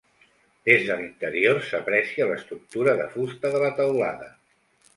Des de l'interior s'aprecia l'estructura de fusta de la teulada.